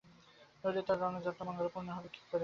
নইলে তাঁর রণযাত্রার মাঙ্গল্য পূর্ণ হবে কী করে?